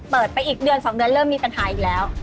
เปิดไปอีกเดือน๒เดือนเริ่มมีปัญหาอีกแล้ว